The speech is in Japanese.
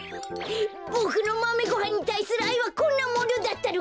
ボクのマメごはんにたいするあいはこんなものだったのか？